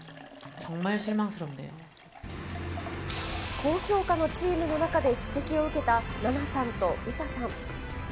高評価のチームの中で指摘を受けたナナさんとウタさん。